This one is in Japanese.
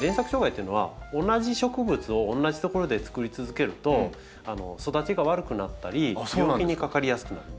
連作障害っていうのは同じ植物を同じ所でつくり続けると育ちが悪くなったり病気にかかりやすくなるんです。